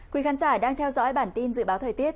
quý khán giả đang theo dõi bản tin dự báo thời tiết